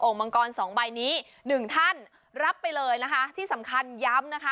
มังกรสองใบนี้หนึ่งท่านรับไปเลยนะคะที่สำคัญย้ำนะคะ